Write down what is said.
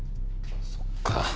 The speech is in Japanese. そっか。